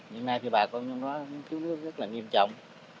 nhưng nay thì bà con nói chú nước rất là nghiêm trọng